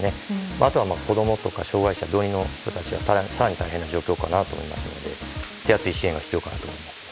あとは子供とか障害者病人の人たちは更に大変な状況かなと思いますので手厚い支援が必要かなと思いますね。